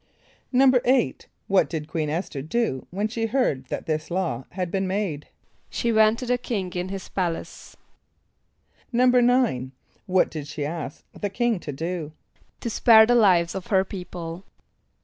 = =8.= What did Queen [)E]s´th[~e]r do when she heard that this law had been made? =She went to the king in his palace.= =9.= What did she ask the king to do? =To spare the lives of her people.